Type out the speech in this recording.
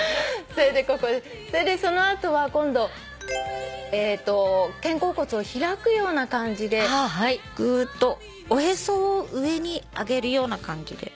それでその後は今度肩甲骨を開くような感じでぐーっとおへそを上に上げるような感じで。